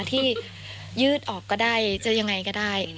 ที่ยืดออกก็ได้จะยังไงก็ได้